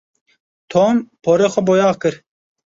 Tom porê xwe boyax kir.